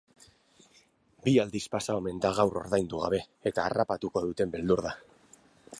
Bi aldiz pasa omen da gaur ordaindu gabe eta harrapatuko duten beldur da.